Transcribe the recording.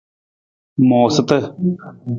Moosata.